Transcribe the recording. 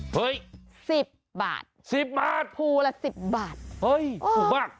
เฮ้ย๑๐บาทภูละ๑๐บาทโอ้ยถูกมาก